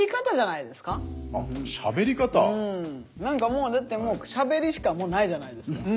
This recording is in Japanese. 何かもうだってもうしゃべりしかもうないじゃないですか。